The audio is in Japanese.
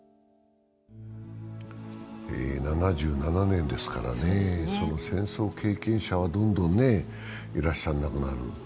７７年ですからね、戦争経験者はどんどんいらっしゃらなくなる。